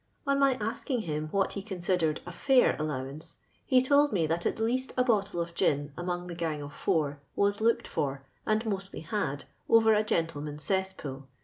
On my asking him what he considered a " fair" aUowance, he told me that at least a bottle of gin among the gang of four was " looked for, and mostly had, over a gentleman's cesspool.